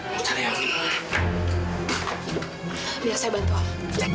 biar saya bantu om